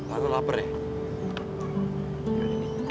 aku lapar ya